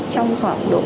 trong khoảng độ